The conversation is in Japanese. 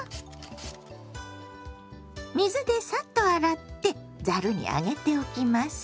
水でサッと洗ってざるに上げておきます。